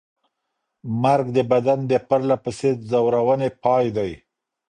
مرګ د بدن د پرله پسې ځورونې پای دی.